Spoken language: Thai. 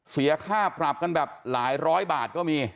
เสียค่าปรับกันแบบหลายร้อยบาทก็มี